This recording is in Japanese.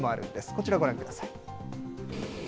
こちらご覧ください。